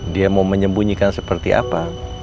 dia mau menyembunyikan seperti apa